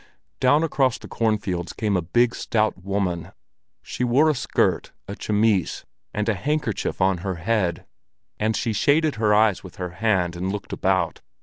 Down across the cornfields came a big, stout woman. She wore a skirt, a chemise, and a handkerchief on her head, and she shaded her eyes with her hand and looked about.